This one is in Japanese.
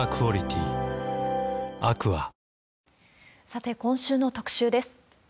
さて、今週の特集です。